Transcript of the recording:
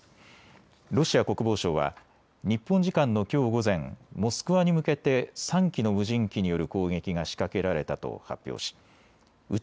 ロシア国防省は日本時間のきょう午前、モスクワに向けて３機の無人機による攻撃が仕掛けられたと発表しうち